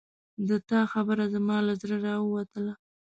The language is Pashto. د تا خبره زما له زړه راووتله